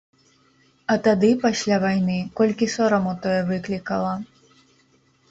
А тады, пасля вайны, колькі сораму тое выклікала.